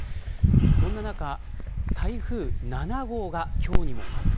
そんな中台風７号が今日にも発生。